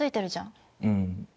うん。